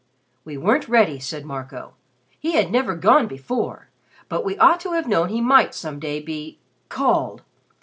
"We weren't ready," said Marco. "He had never gone before; but we ought to have known he might some day be called.